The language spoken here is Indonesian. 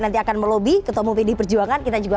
nanti akan melobby ketemu pd perjuangan kita juga